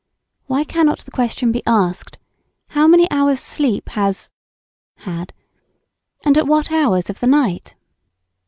Why cannot the question be asked, How many hours' sleep has had? and at what hours of the night?